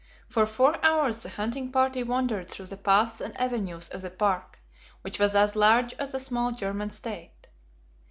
For four hours the hunting party wandered through the paths and avenues of the park, which was as large as a small German state.